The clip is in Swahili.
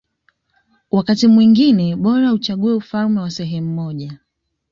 Wakati mwingine bora uchague ufalme wa sehemu moja